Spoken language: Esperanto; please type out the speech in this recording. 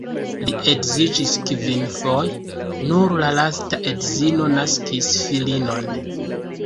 Li edziĝis kvinfoje, nur la lasta edzino naskis filinon.